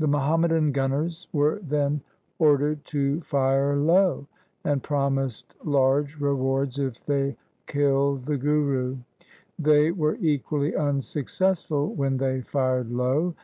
The Muhammadan gunners were then ordered to fire low, and promised large rewards if they killed the Guru. They were equally unsuccess ful when they fired low.